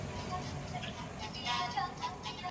د مشرانو خبره نه ماتیږي.